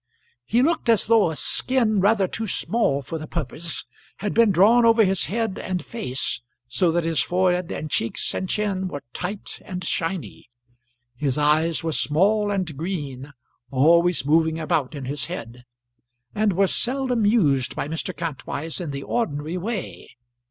He looked as though a skin rather too small for the purpose had been drawn over his head and face so that his forehead and cheeks and chin were tight and shiny. His eyes were small and green, always moving about in his head, and were seldom used by Mr. Kantwise in the ordinary way.